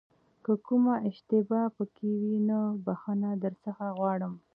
که کومه اشتباه پکې وي نو بښنه درڅخه غواړم.